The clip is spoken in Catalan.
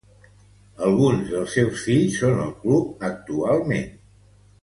Alguns dels seus fills són al club actualment.